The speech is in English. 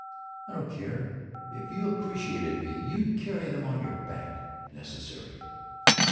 "I don't care. If you appreciated me you'd carry them on your back, if necessary."